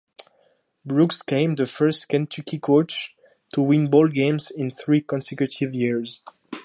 Brooks became the first Kentucky coach to win bowl games in three consecutive years.